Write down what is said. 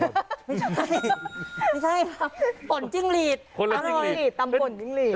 ไม่ใช่ป่นจิ้งหลีดตำป่นจิ้งหลีด